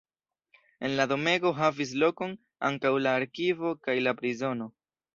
En la domego havis lokon ankaŭ la arkivo kaj la prizono.